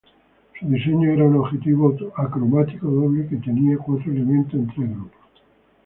Su diseño era un objetivo acromático doble que tenía cuatro elementos en tres grupos.